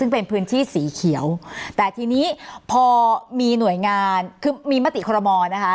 ซึ่งเป็นพื้นที่สีเขียวแต่ทีนี้พอมีหน่วยงานคือมีมติคอรมอลนะคะ